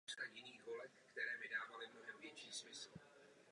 Byl zde také klášter a špitál.